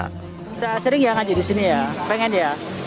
sudah sering ya ngaji di sini ya pengen ya